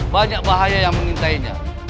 banyak bahaya yang mengintainya